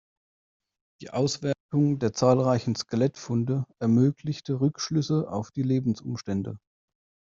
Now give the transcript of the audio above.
Die Auswertung der zahlreichen Skelettfunde ermöglichte Rückschlüsse auf die Lebensumstände.